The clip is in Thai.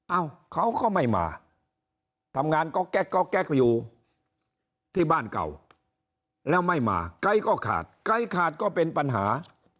เอ้าเขาก็ไม่มาทำงานก็แก๊กแก๊กอยู่ที่บ้านเก่าแล้วไม่มาไกด์ก็ขาดไกด์ขาดก็เป็นปัญหา